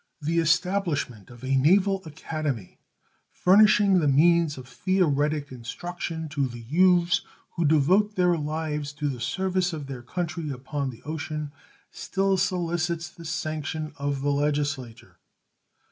The establishment of a naval academy, furnishing the means of theoretic instruction to the youths who devote their lives to the service of their country upon the ocean, still solicits the sanction of the Legislature.